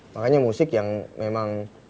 makanya musik yang memang